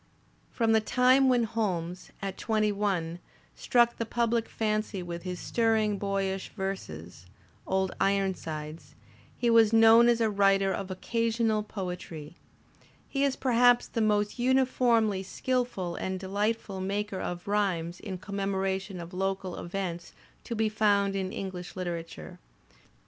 From the time when Holmes, at twenty one, struck the public fancy with his stirring, boyish verses, "Old Iron sides," he was known as a writer of occasional poetiy; he is perhaps the most uniformly skilful and delightful maker of rhymes in commemoration of local events to be found in English literature.